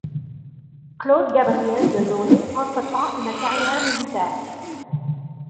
Claude Gabriel de Launay entreprend une carrière militaire.